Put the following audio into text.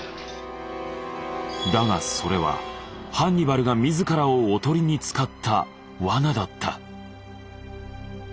だがそれはハンニバルが自らをおとりに使ったワナだった。